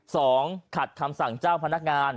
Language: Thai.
สองขัดคำสั่งเจ้าพนักงาน